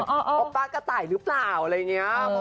พบป้ากระต่ายหรือเปล่าอะไรอย่างนี้